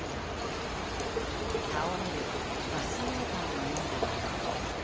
倒れるガスメーターのようなもの。